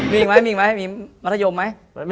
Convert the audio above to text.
มีอีกไม่มีวัฒยมไหม